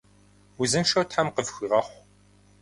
Узыншэу тхьэм къыфхуигъэхъу!